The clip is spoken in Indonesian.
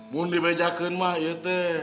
bukan dibejakin mah itu